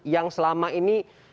yang selama ini